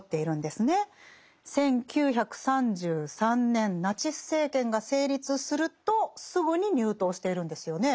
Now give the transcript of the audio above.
１９３３年ナチス政権が成立するとすぐに入党しているんですよね。